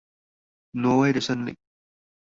挪威的森林